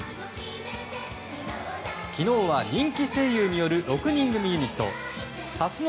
昨日は人気声優による６人組ユニット蓮ノ